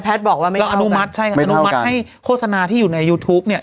เพราะว่าเราอนุมัติให้โฆษณาที่อยู่ในยูทูปเนี่ย